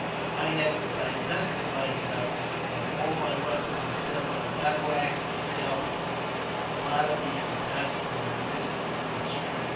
I had divested myself of all my weapons except my battle axe and scalping knife, the latter being attached to my wrist with a string.